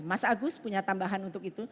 mas agus punya tambahan untuk itu